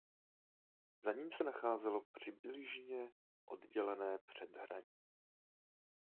Za ním se nacházelo přibližně obdélné předhradí.